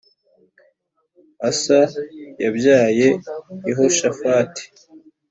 Asa yabyaye Yehoshafati